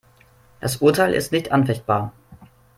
Das Urteil ist nicht anfechtbar.